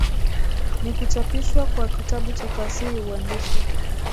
ni kuchapishwa kwa kitabu cha Fasihi Uandishi